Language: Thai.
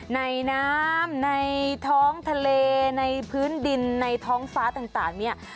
ในน้ำในท้องทะเลในพื้นดินในท้องฟ้าต่างเนี่ย